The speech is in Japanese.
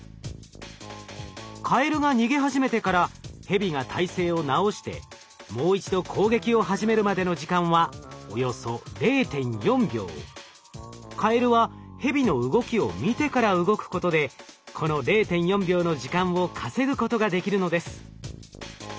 カエルが逃げ始めてからヘビが体勢を直してもう一度攻撃を始めるまでの時間はおよそカエルはヘビの動きを見てから動くことでこの０．４秒の時間を稼ぐことができるのです。